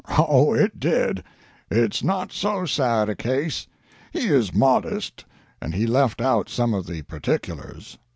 Oh, it did. It's not so sad a case. He is modest, and he left out some of the particulars.